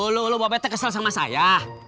lu bawa bete kesel sama saya